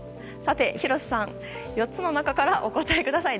廣瀬さん、４つの中からお答えください。